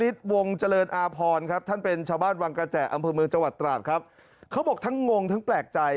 แต่อำเภอเมืองจัวร์ตราบครับเขาบอกทั้งงงทั้งแปลกใจ